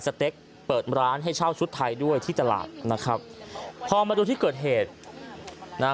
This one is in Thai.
เต็กเปิดร้านให้เช่าชุดไทยด้วยที่ตลาดนะครับพอมาดูที่เกิดเหตุนะฮะ